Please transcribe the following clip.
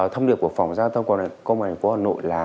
thông điệp của phòng giáo dân quân hình phố hà nội là